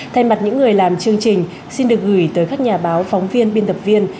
thay mặt những người làm chương trình xin được gửi tới các nhà báo phóng viên biên tập viên